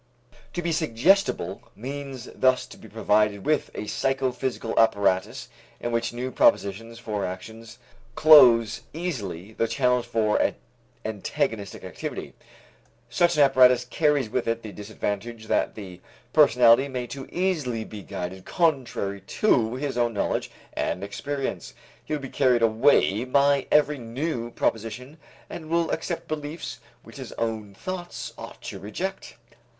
To be suggestible means thus to be provided with a psychophysical apparatus in which new propositions for actions close easily the channels for antagonistic activity. Such an apparatus carries with it the disadvantage that the personality may too easily be guided contrary to his own knowledge and experience. He will be carried away by every new proposition and will accept beliefs which his own thoughts ought to reject.